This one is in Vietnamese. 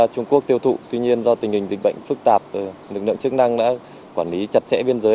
trung quốc tiêu thụ tuy nhiên do tình hình dịch bệnh phức tạp lực lượng chức năng đã quản lý chặt chẽ biên giới